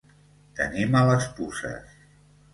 Tenir males puces.